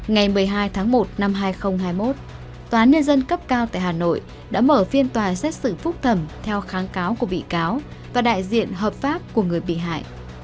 ngày một mươi hai tháng một năm hai nghìn hai mươi một tòa nhân dân cấp cao tại hà nội đã mở phiên tòa xét xử phúc thẩm theo kháng cáo của bị cáo và đại diện hợp pháp của người bị hại